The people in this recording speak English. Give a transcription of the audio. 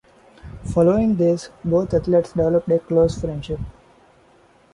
Following this, both athletes developed a close friendship.